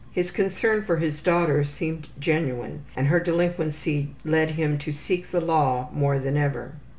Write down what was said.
His concern for his daughter seemed genuine and her delinquency led him to seek the law more than ever.